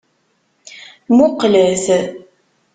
Muqqlet.